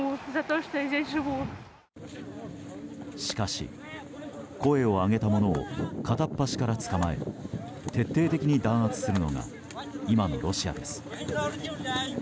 しかし、声を上げた者を片っ端から捕まえ徹底的に弾圧するのが今のロシアです。